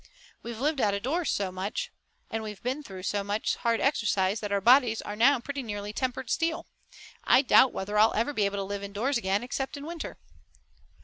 We've lived out of doors so much and we've been through so much hard exercise that our bodies are now pretty nearly tempered steel. I doubt whether I'll ever be able to live indoors again, except in winter."